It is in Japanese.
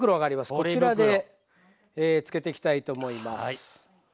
こちらで漬けていきたいと思います。